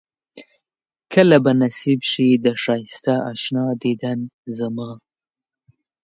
کله به نصيب شي د ښائسته اشنا ديدن زما